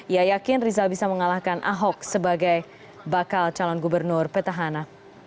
ia yakin rizal bisa mengalahkan ahok sebagai bakal calon gubernur petahana